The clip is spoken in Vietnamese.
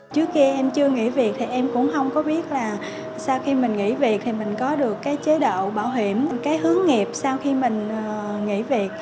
trước khi em chưa nghỉ việc thì em cũng không có biết là sau khi mình nghỉ việc thì mình có được cái chế độ bảo hiểm cái hướng nghiệp sau khi mình nghỉ việc